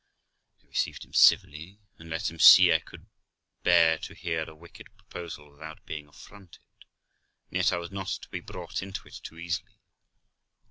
I received him civilly, and let him see I could bear to hear a wicked proposal without being affronted, and yet I was not to be brought into it too easily.